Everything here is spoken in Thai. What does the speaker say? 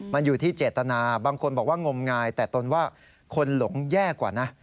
มันอยู่ที่เจตนาบางคนบอกว่างมงายแต่ตนว่าคนหลงแย่กว่านะ